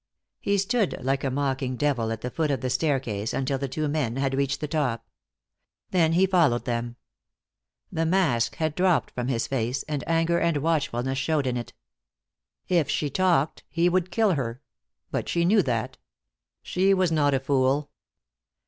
He stood like a mocking devil at the foot of the staircase until the two men had reached the top. Then he followed them. The mask had dropped from his face, and anger and watchfulness showed in it. If she talked, he would kill her. But she knew that. She was not a fool.